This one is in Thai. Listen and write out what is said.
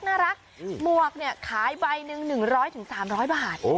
หมวกขายใบหนึ่ง๑๐๐๓๐๐บาท